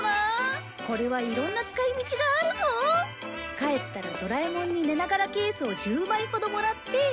帰ったらドラえもんにねながらケースを１０枚ほどもらって。